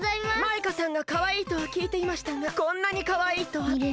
マイカさんがかわいいとはきいていましたがこんなにかわいいとは。